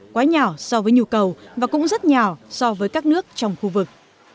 quá nhỏ so với nhu cầu và cũng rất nhỏ so với các nước trong khu vực